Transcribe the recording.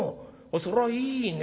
そりゃいいね。